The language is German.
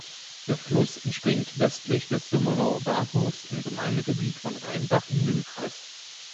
Der Fluss entspringt westlich des Summerauer Bahnhofs im Gemeindegebiet von Rainbach im Mühlkreis.